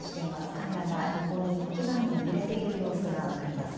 カメラが横に小刻みに揺れている様子が分かります。